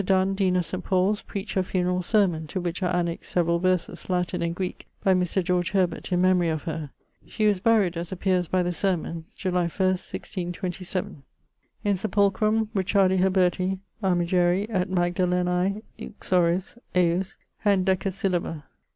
Donne, dean of St. Paul's, preached her funerall sermon, to which are annexed severall verses, Latin and Greeke, by Mr. George Herbert, in memorie of her. She was buryed, as appeares by the sermon, July 1, 1627. In Sepulchrum Richardi Herberti, armigeri, et Magdalenae uxoris ejus, hendecasyllaba.